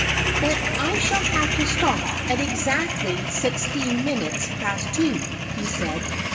"But I shall have to stop at exactly sixteen minutes past two," he said.